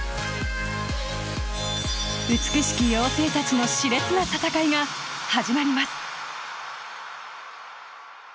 美しき妖精たちの熾烈な戦いが始まります。